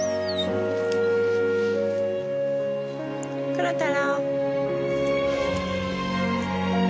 黒太郎。